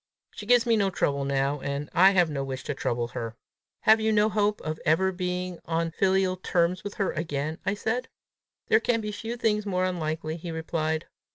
She gives me no trouble now, and I have no wish to trouble her." "Have you no hope of ever being on filial terms with her again?" I said. "There can be few things more unlikely," he replied.